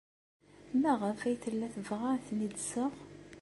Maɣef ay tella tebɣa ad ten-id-tseɣ?